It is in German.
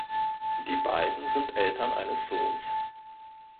Die beiden sind Eltern eines Sohns.